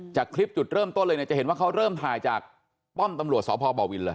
จากคลิปจุดเริ่มต้นเลยเนี่ยจะเห็นว่าเขาเริ่มถ่ายจากป้อมตำรวจสพบวินเลย